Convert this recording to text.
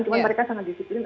cuman mereka sangat disiplin